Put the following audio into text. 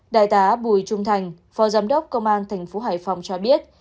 đại tá bùi trung thành phó giám đốc công an thành phố hải phòng cho biết